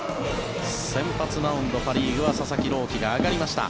先発マウンド、パ・リーグは佐々木朗希が上がりました。